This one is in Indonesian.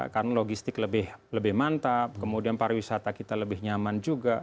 karena logistik lebih mantap kemudian pariwisata kita lebih nyaman juga